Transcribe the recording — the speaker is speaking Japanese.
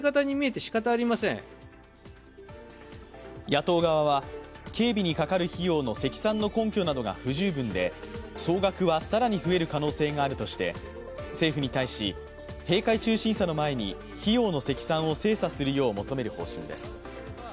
野党側は、警備にかかる費用の積算の根拠などが不十分で総額は更に増える可能性があるとして政府に対し、閉会中審査の前に費用の積算の精査するよう求める方針です。